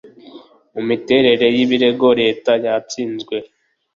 imiterere y ibirego leta yatsinzwe